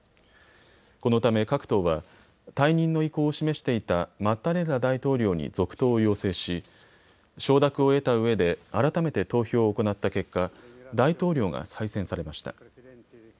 このため各党は退任の意向を示していたマッタレッラ大統領に続投を要請し承諾を得たうえで、改めて投票を行った結果大統領が再選されました。